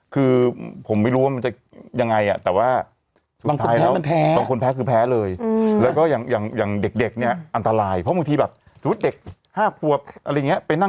คือผมไม่รู้ว่ามันจะยังไงอะ